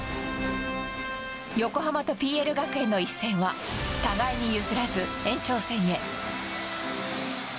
横浜とＰＬ学園の一戦は互いに譲らず延長戦へ。